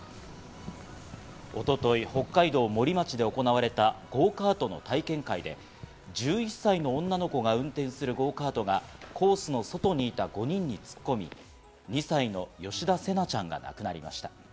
一昨日、北海道森町で行われたゴーカートの体験会で、１１歳の女の子が運転するゴーカートがコースの外にいた５人に突っ込み、２歳の吉田成那ちゃんが亡くなりました。